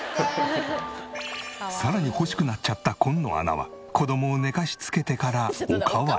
さらに欲しくなっちゃった紺野アナは子供を寝かしつけてからおかわり。